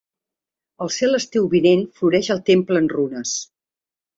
Al ser l’estiu vinent floreix el temple en runes.